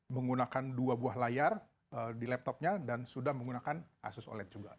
menggunakan dua buah layar di laptopnya dan sudah menggunakan asus oled juga